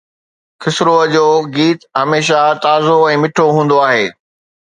خسروءَ جو گيت هميشه تازو ۽ مٺو هوندو آهي